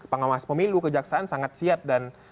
pengawas pemilu kejaksaan sangat siap dan